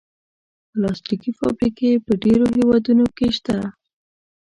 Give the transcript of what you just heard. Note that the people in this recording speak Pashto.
پلاستيکي فابریکې په ډېرو هېوادونو کې شته.